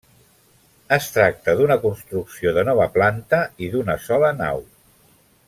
Es tracta d'una construcció de nova planta i d'una sola nau.